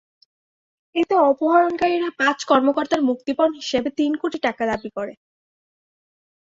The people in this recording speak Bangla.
এতে অপহরণকারীরা পাঁচ কর্মকর্তার মুক্তিপণ হিসেবে তিন কোটি টাকা দাবি করে।